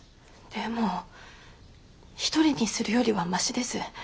でも一人にするよりはマシです。